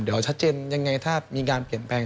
เดี๋ยวชัดเจนอย่างไรถ้ามีคำว่างเปลี่ยนแปลง